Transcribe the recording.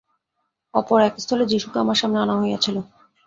অপর একস্থলে যীশুকে আমার সামনে আনা হইয়াছিল।